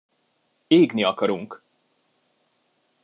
Égni akarunk!